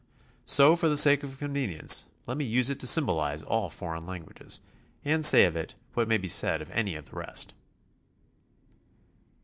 So for the sake of convenience, let me us'e it to symbolize all foreign languages, and say of it what may be said of any of the rest.